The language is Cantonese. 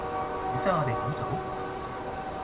你想我哋點做？